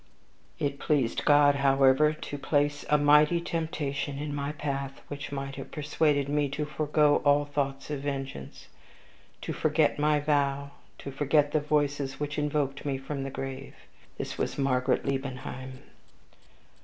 "It pleased God, however, to place a mighty temptation in my path, which might have persuaded me to forego all thoughts of vengeance, to forget my vow, to forget the voices which invoked me from the grave. This was Margaret Liebenheim.